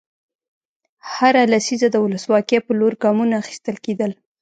هره لسیزه د ولسواکۍ په لور ګامونه اخیستل کېدل.